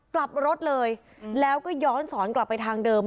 กลับรถเลยแล้วก็ย้อนสอนกลับไปทางเดิม